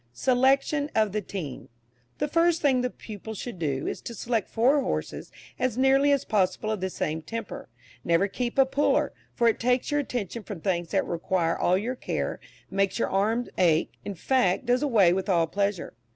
SELECTION OF THE TEAM. The first thing the pupil should do, is to select four horses as nearly as possible of the same temper. Never keep a puller, for it takes your attention from things that require all your care, makes your arm ache, in fact, does away with all pleasure.